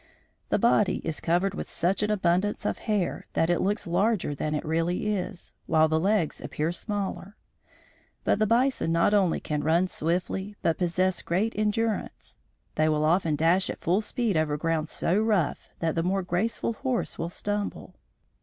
The body is covered with such an abundance of hair that it looks larger than it really is, while the legs appear smaller. But the bison not only can run swiftly, but possesses great endurance. They will often dash at full speed over ground so rough that the more graceful horse will stumble.